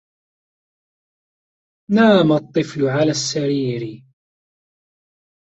نَامَ الطِّفْلُ عَلَى السَّرِيرِ.